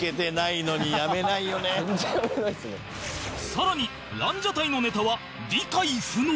さらにランジャタイのネタは理解不能